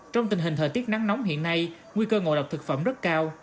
trong tình hình thời tiết nắng nóng hiện nay nguy cơ ngộ độc thực phẩm rất cao